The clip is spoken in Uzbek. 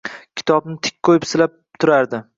Kitobni tik qo‘yib silab turardi...